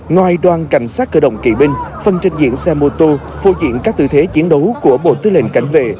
ngoài đoàn cảnh sát cơ động kỳ binh phân trình diễn xe ô tô phô diễn các tư thế chiến đấu của bộ tư lệnh cảnh vệ